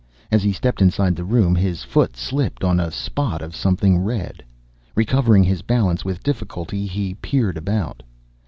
As he stepped inside the room, his foot slipped on a spot of something red. Recovering his balance with difficulty, he peered about.